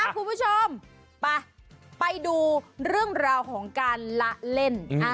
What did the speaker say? คุณผู้ชมไปดูเรื่องราวของการละเล่น